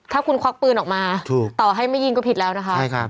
ถ้าคุณควักปืนออกมาถูกต่อให้ไม่ยิงก็ผิดแล้วนะคะ